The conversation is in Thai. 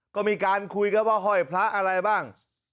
ก็มีการคุยกันว่าห้อยพระอะไรบ้าง